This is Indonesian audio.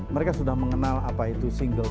mereka sudah mengenal apa itu single